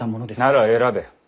なら選べ。